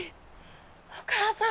お母さん！